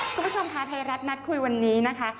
คุณผู้ชมค่ะไทยรัฐนัดคุยวันนี้นะคะ